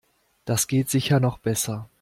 Das geht sicher noch besser.